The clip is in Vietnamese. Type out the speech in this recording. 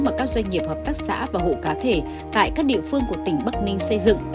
mà các doanh nghiệp hợp tác xã và hộ cá thể tại các địa phương của tỉnh bắc ninh xây dựng